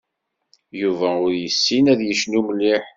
Yuba ur yessin ad yecnu mliḥ.